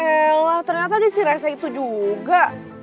ya elah ternyata disirasa itu juga